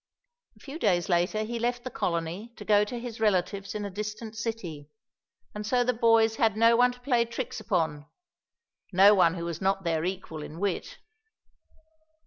A few days later he left the Colony to go to his relatives in a distant city, and so the boys had no one to play tricks upon, no one who was not their equal in wit.